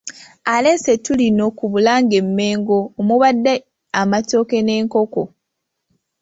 Aleese ettu lino ku Bulange e Mmengo omubadde amatooke n'enkoko.